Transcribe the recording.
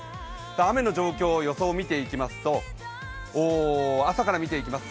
雨の状況予想見ていきますと朝から見ていきます。